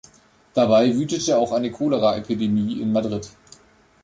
Dabei wütete auch eine Choleraepidemie in Madrid.